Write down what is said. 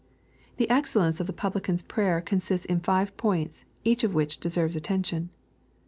The excellence of the Publican's prayer consists in five points, each of which deserves attention.